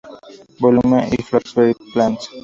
Volume X. Flowering Plants.